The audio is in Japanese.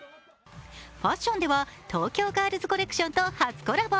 ファッションでは東京ガールズコレクションと初コラボ。